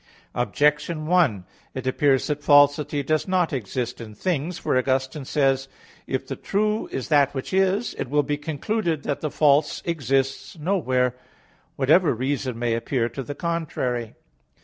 Objection 1: It appears that falsity does not exist in things. For Augustine says (Soliloq. ii, 8), "If the true is that which is, it will be concluded that the false exists nowhere; whatever reason may appear to the contrary."